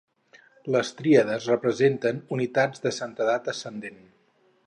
Les triades representen unitats de santedat ascendent.